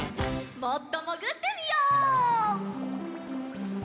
もっともぐってみよう。